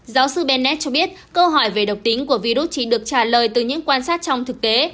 giáo sư benned cho biết câu hỏi về độc tính của virus chỉ được trả lời từ những quan sát trong thực tế